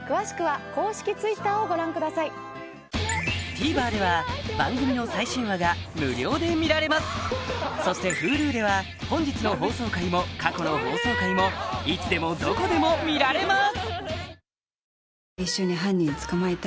ＴＶｅｒでは番組の最新話が無料で見られますそしてＨｕｌｕでは本日の放送回も過去の放送回もいつでもどこでも見られます！